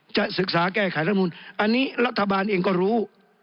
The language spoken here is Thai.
จะศึกษาแก้ไขรัฐมนุนอันนี้รัฐบาลเองก็รู้